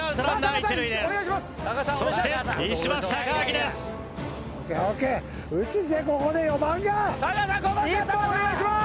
１本お願いします！